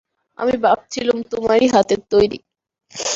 আমি ভাবছিলুম, তোমারই হাতের তৈরি।